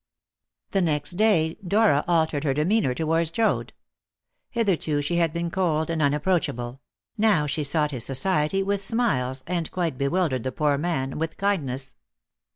The next day Dora altered her demeanour towards Joad. Hitherto she had been cold and unapproachable; now she sought his society with smiles, and quite bewildered the poor man with kindness.